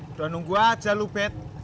udah nunggu aja lu bet